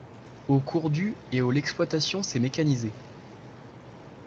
Au cours du et au l'exploitation s'est mécanisée.